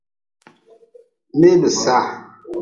Mee be sa.